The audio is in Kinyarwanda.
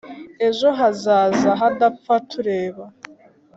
Ejo hazaza hadapfa tureba